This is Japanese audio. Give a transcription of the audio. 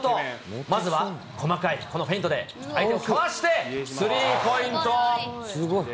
まずは細かいこのフェイントで、相手をかわしてスリーポイント。